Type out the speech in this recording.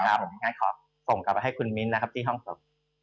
ใช่นะครับขอส่งกลับไปให้คุณมิ้นท์นะครับที่ห้องส่ง